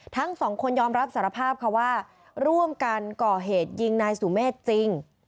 ทั้งสองคนยอมรับสารภาพค่ะว่าร่วมกันก่อเหตุยิงนายสุเมฆจริง